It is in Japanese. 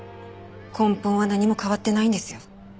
根本は何も変わってないんですよ。